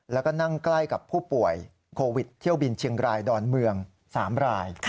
แล้วก็นั่งใกล้กับผู้ป่วยโควิดเที่ยวบินเชียงรายดอนเมือง๓ราย